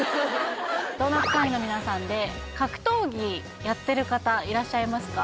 ドーナツ会員の皆さんで格闘技やってる方いらっしゃいますか？